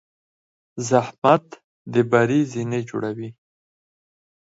زحمت د بری زینې جوړوي.